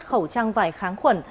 khẩu trang vải kháng khuẩn